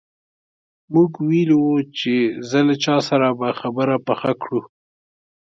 موږ ویلي وو چې ځه له چا سره به خبره پخه کړو.